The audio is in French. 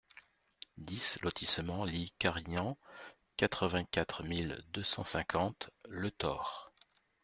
dix lotissement Li Carrignan, quatre-vingt-quatre mille deux cent cinquante Le Thor